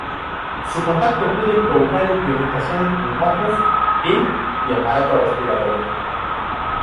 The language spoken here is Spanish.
Su contacto puede provocar irritación en ojos, piel y aparato respiratorio.